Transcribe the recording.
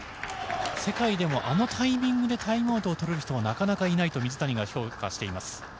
世界でもあのタイミングでタイムアウトをとれる人はなかなかいないと水谷が評価しています。